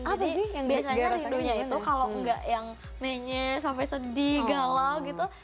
jadi biasanya rindunya itu kalau gak yang menyes sampai sedih galau gitu